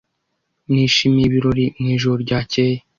Nishimiye ibirori mu ijoro ryakeye.